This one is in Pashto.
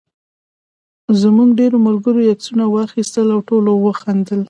زموږ ډېرو ملګرو یې عکسونه واخیستل او ټولو خندل.